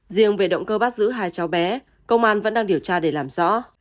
riêng về động cơ bắt giữ hai cháu bé công an vẫn đang điều tra để làm rõ